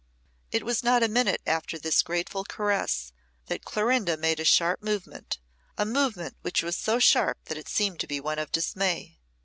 It was not a minute after this grateful caress that Clorinda made a sharp movement a movement which was so sharp that it seemed to be one of dismay.